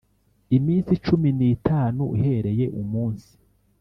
iminsi cumi n itanu uhereye umunsi